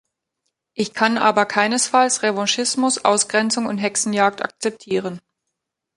Ich kann aber keinesfalls Revanchismus, Ausgrenzung und Hexenjagd akzeptieren.